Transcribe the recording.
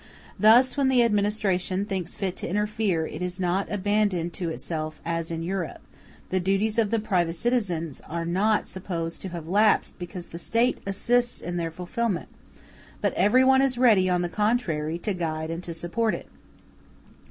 Thus, when the administration thinks fit to interfere, it is not abandoned to itself as in Europe; the duties of the private citizens are not supposed to have lapsed because the State assists in their fulfilment, but every one is ready, on the contrary, to guide and to support it.